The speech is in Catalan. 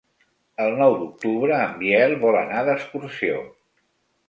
El nou d'octubre en Biel vol anar d'excursió.